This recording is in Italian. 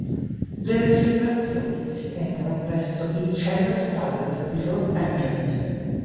Le registrazioni si tennero presso i Cello Studios di Los Angeles.